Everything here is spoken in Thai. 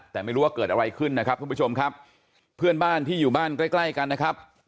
แต่ไม่รู้ว่าเกิดอะไรขึ้นนะครับทุกผู้ชมครับเพื่อนบ้านที่อยู่บ้านใกล้ใกล้กันนะครับ